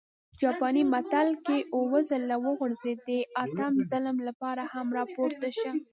جاپانى متل: که اووه ځل وغورځېدې، اتم ځل لپاره هم راپورته شه!